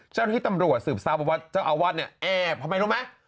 เจ้าที่ตำรวจสืบสร้างบางวัดแอบทำไมรู้ไหม